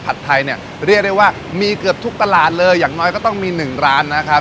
ก็มีร้านผัดไทยเรียกได้ว่ามีเกือบทุกตาราณเลยอย่างน้อยก็ต้องมี๑ร้านนะครับ